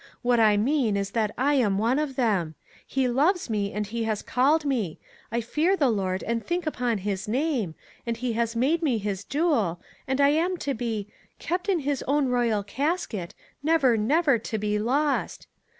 What I mean is that I am one of them. He loves me, and has called me; I fear the Lord and think upon his name, and he has made me his jewel, and I am to be no A SEA OF TROUBLE ' Kept in his own royal casket, Never, never to be lost.'